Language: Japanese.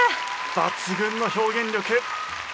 抜群の表現力。